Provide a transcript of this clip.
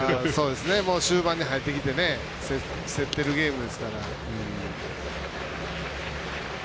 終盤に入ってきて競ってるゲームですから。